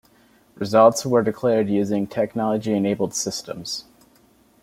Results were declared using technology-enabled systems.